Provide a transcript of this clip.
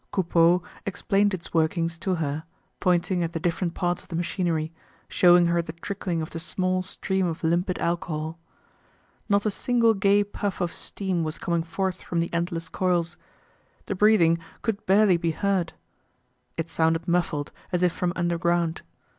Coupeau explained its workings to her, pointing at the different parts of the machinery, showing her the trickling of the small stream of limpid alcohol. Not a single gay puff of steam was coming forth from the endless coils. The breathing could barely be heard. It sounded muffled as if from underground.